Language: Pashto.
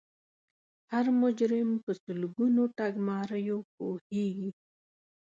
هر مجرم په سلګونو ټګماریو پوهیږي